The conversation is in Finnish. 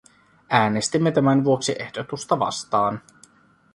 Äänestimme tämän vuoksi ehdotusta vastaan.